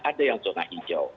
ada yang zona hijau